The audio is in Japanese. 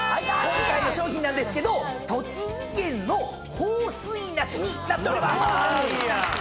今回の賞品なんですけど栃木県の豊水梨になっておりまーす。